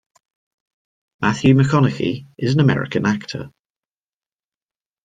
Matthew McConaughey is an American actor.